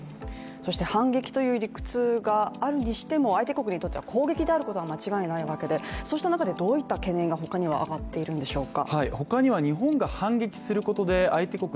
反撃という理屈があるにしても相手国にとっては攻撃であることは間違いないわけでそうした中でどういった懸念が他には上がっているんでしょうか。